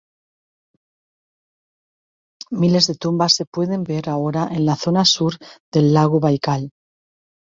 Miles de tumbas se pueden ver ahora en la zona sur del lago Baikal.